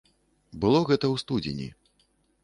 Было гэта ў студзені.